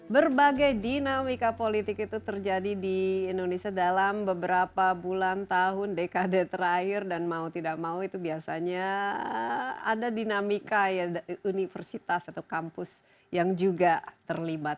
berbagai dinamika politik itu terjadi di indonesia dalam beberapa bulan tahun dekade terakhir dan mau tidak mau itu biasanya ada dinamika ya universitas atau kampus yang juga terlibat